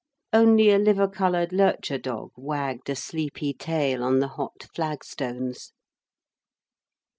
Only a liver coloured lurcher dog wagged a sleepy tail on the hot flag stones.